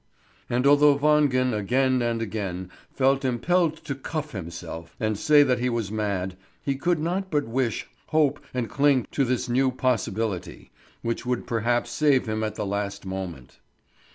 And although Wangen again and again felt impelled to cuff himself and say that he was mad, he could not but wish, hope and cling to this new possibility, which would perhaps save him at the last moment.